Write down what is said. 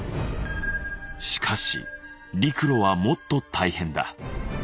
しかし陸路はもっと大変だ。